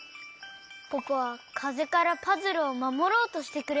ポポはかぜからパズルをまもろうとしてくれたんですね。